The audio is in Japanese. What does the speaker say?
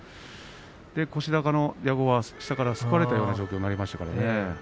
腰高の矢後は下からすくわれたような形になりましたね。